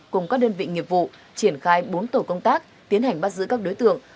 cùng các đơn vị nghiệp vụ triển khai bốn tổ công tác tiến hành bắt giữ các đối tượng